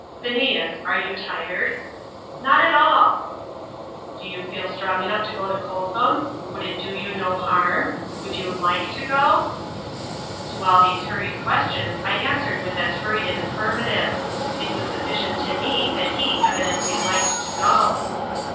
"Phineas, are you tired?" "Not at all." "Do you feel strong enough to go to Coltham? Would it do you no harm? Would you LIKE to go?" To all these hurried questions I answered with as hurried an affirmative. It was sufficient to me that he evidently liked to go.